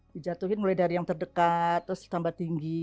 dijatuhin mulai dari yang terdekat terus tambah tinggi